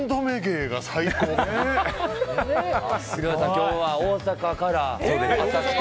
今日は大阪から。